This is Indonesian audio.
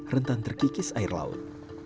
rentan terkikis air laut